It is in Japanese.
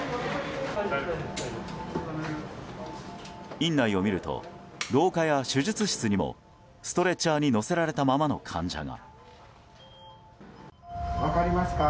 院内を見ると、廊下や手術室にもストレッチャーに乗せられたままの患者が。